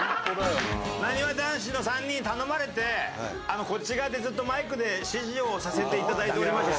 なにわ男子の３人に頼まれてこっち側でずっとマイクで指示をさせていただいておりました。